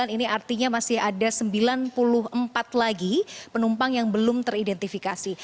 ini artinya masih ada sembilan puluh empat lagi penumpang yang belum teridentifikasi